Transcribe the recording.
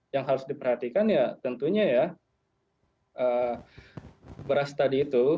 yang harus diperhatikan ya tentunya ya beras tadi itu